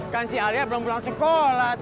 kan si alia belum pulang sekolah